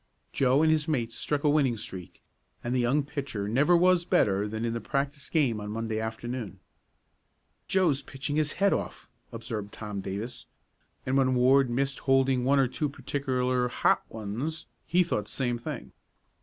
Joe and his mates struck a winning streak, and the young pitcher never was better than in that practice game on Monday afternoon. "Joe's pitching his head off," observed Tom Davis, and when Ward missed holding one or two particular "hot" ones he thought the same thing.